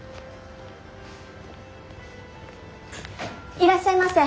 いらっしゃいませ。